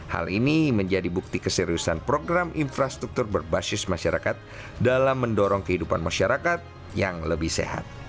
hal ini menjadi bukti keseriusan program infrastruktur berbasis masyarakat dalam mendorong kehidupan masyarakat yang lebih sehat